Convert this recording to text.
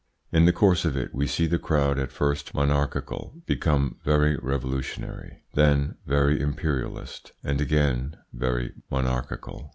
In the course of it we see the crowd at first monarchical become very revolutionary, then very imperialist, and again very monarchical.